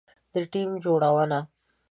د ټیم جوړونه